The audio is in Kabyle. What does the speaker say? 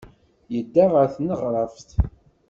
Yedda ɣer tneɣraft.